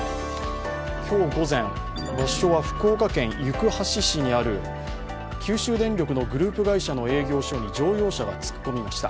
今日午前、場所は福岡県行橋市にある九州電力のグループ会社の営業所に乗用車が突っ込みました。